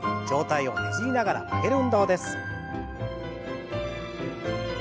上体をねじりながら曲げる運動です。